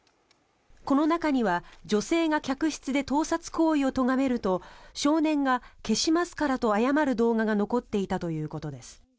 この中には女性が客室で盗撮行為をとがめると少年が、消しますからと謝る動画が残っていたということです。